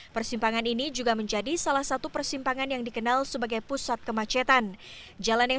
persimpangan ini juga menjadi salah satu persimpangan yang dikenal sebagai pusat kemacetan jalan yang